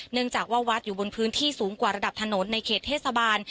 เนื่องจากว่าวัดอยู่บนพื้นที่สูงกว่าระดับถนนในเขตเทศบาล